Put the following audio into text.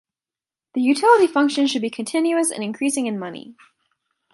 The utility function should be continuous and increasing in money.